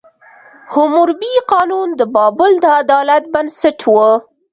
حموربي قانون د بابل د عدالت بنسټ و.